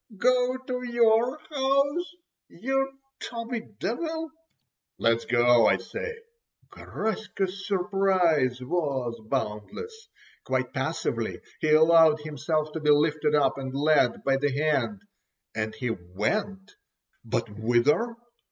go to your house, you tubby devil!" "Let's go, I say." Garaska's surprise was boundless. Quite passively he allowed himself to be lifted up and led by the hand, and he went—but whither?